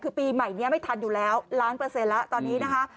คือปีใหม่นี้ไม่ทันอยู่แล้วล้านเปอร์เซ็นต์แล้วตอนนี้นะคะ